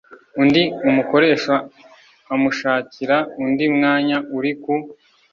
undi umukoresha amushakira undi mwanya uri ku